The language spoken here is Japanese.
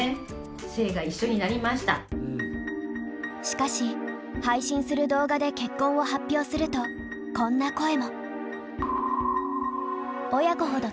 しかし配信する動画で結婚を発表するとこんな声も。